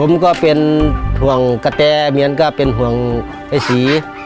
ผมก็เป็นห่วงกระแตเมียนก็เป็นห่วงไอ้ศรี